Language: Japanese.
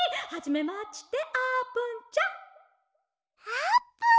あーぷん！